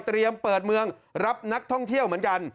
เปิดเมืองรับนักท่องเที่ยวเหมือนกัน